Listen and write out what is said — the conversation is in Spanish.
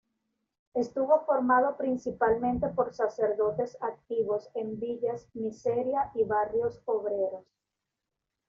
Estuvo formado principalmente por sacerdotes activos en villas miseria y barrios obreros.